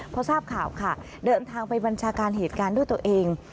พอทราบข่าวค่ะเดินทางไปบัญชาการเหตุการณ์ด้วยตัวเอง